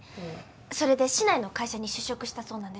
それで市内の会社に就職したそうなんですけど。